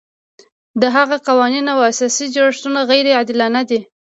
د هغه قوانین او اساسي جوړښتونه غیر عادلانه دي.